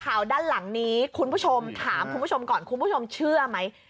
ด้านหลังนี้คุณผู้ชมถามคุณผู้ชมก่อนคุณผู้ชมเชื่อไหม